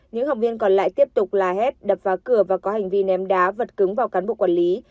những học viên còn lại tiếp tục la hét đập vào cửa và có hành vi ném đá vật cứng vào cán bộ quản lý